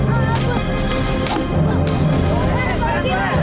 ah alesan bukin yuk